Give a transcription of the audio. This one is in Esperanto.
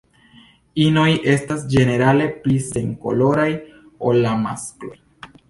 Inoj estas ĝenerale pli senkoloraj ol la maskloj.